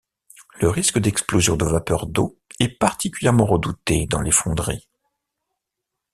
Le risque d'explosion de vapeur d'eau est particulièrement redouté dans les fonderies.